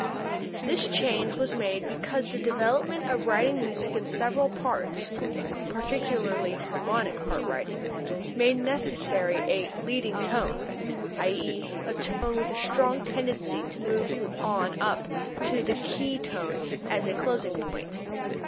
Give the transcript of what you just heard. This change was made because the development of writing music in several parts (particularly harmonic part writing) made necessary a "leading tone," i.e., a tone with a strong tendency to move on up to the key tone as a closing point.